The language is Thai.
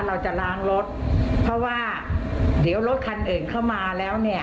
เราจะล้างรถเพราะว่าเดี๋ยวรถคันอื่นเข้ามาแล้วเนี่ย